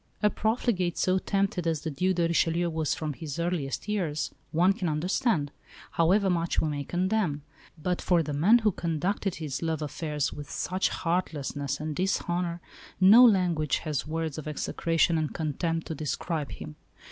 A profligate so tempted as the Duc de Richelieu was from his earliest years, one can understand, however much we may condemn; but for the man who conducted his love affairs with such heartlessness and dishonour no language has words of execration and contempt to describe him.